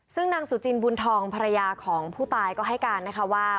ซึ่งนางสุจินบุญทองภรรยาของผู้ตายก็ให้การนะคะว่า